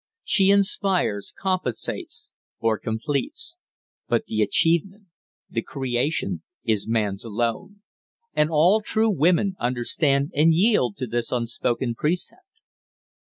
She inspires, compensates, or completes; but the achievement, the creation, is man's alone. And all true women understand and yield to this unspoken precept.